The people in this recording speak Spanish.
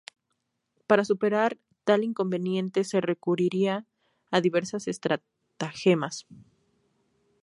Para superar tal inconveniente se recurría a diversas estratagemas.